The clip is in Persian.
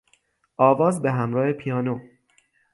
آواز به همراه پیانو